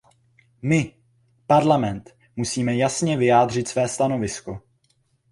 My, Parlament, musíme jasně vyjádřit své stanovisko.